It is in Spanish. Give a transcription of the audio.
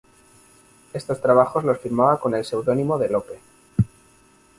Estos trabajos los firmaba con el seudónimo de López.